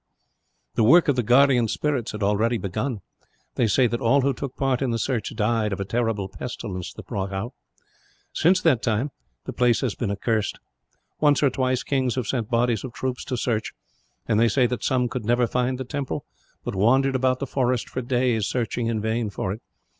"The work of the guardian spirits had already begun. They say that all who took part in the search died, of a terrible pestilence that broke out. Since that time, the place has been accursed. Once or twice, kings have sent bodies of troops to search; and they say that some could never find the temple, but wandered about the forest for days, searching in vain for it.